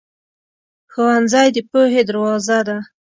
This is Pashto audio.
ښوونځی د پوهې دروازه ده.